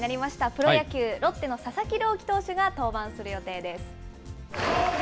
プロ野球・ロッテの佐々木朗希投手が登板する予定です。